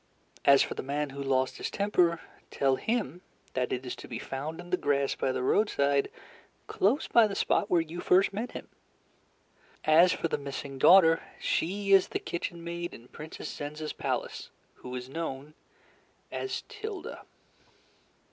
As for the man who lost his temper, tell him that it is to be found in the grass by the roadside close by the spot where you first met him. As for the missing daughter, she is the kitchen maid in Princess Zenza's palace, who is known as Tilda."